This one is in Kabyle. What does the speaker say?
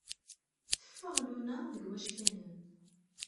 Teffeɣ nuna deg wackanen.